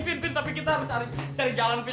fin fin tapi kita harus cari jalan pin